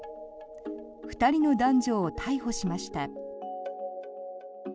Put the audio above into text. ２人の男女を逮捕しました。